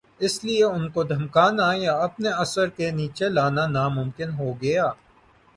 اسی لئے ان کو دھمکانا یا اپنے اثر کے نیچے لانا ناممکن ہو گیا۔